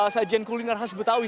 sajian kuliner khas betawi